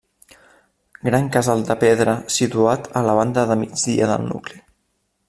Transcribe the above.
Gran casal de pedra situat a la banda de migdia del nucli.